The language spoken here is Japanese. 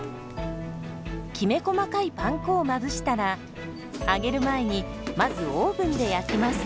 きめ細かいパン粉をまぶしたら揚げる前にまずオーブンで焼きます。